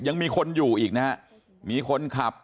ยังมีคนอยู่อีกนะมีคนอยู่อีกนะครับ